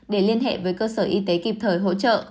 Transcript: để liên hệ với cơ sở y tế kịp thời hỗ trợ